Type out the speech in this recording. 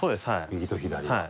右と左が。